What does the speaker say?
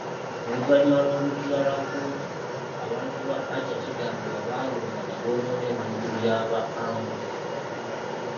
Oluvannyuma lw'olutuula lwa kkooti, abantu ba Acer kigambibwa baalumba ne bonoona ebintu bya ba Angule.